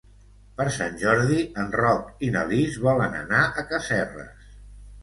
Per Sant Jordi en Roc i na Lis volen anar a Casserres.